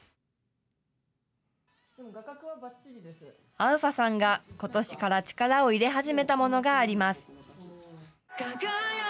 アウファさんがことしから力を入れ始めたものがあります。